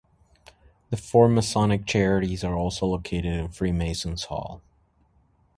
The four Masonic Charities are also located in Freemasons' Hall.